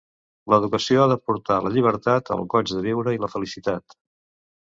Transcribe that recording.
L'educació ha de portar a la llibertat, el goig de viure i la felicitat.